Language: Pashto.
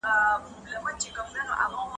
حجره بې کیسو نه وي.